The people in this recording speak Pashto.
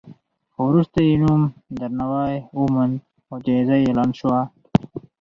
خو وروسته یې نوم درناوی وموند او جایزه اعلان شوه.